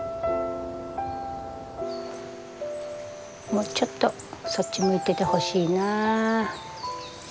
もうちょっとそっち向いててほしいなあ。